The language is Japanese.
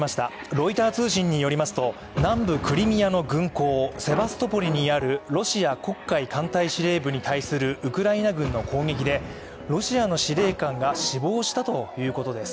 ロイター通信によりますと南部クリミアの軍港セバストポリにあるロシア黒海艦隊司令部に対するウクライナ軍の攻撃でロシアの司令官が死亡したということです。